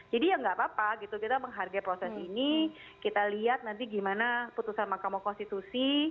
jadi ya nggak apa apa gitu kita menghargai proses ini kita lihat nanti gimana putusan mahkamah konstitusi